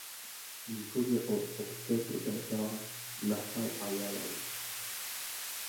Východně od obce protéká Nachal Ajalon.